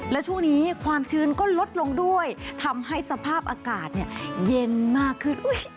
และช่วงนี้ความชื้นก็ลดลงด้วยทำให้สภาพอากาศเย็นมากขึ้น